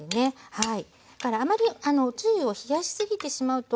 はい。